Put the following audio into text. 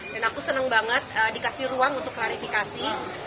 dan aku senang banget dikasih ruang untuk klarifikasi